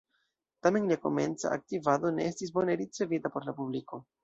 Tamen lia komenca aktivado ne estis bone ricevita por la publiko.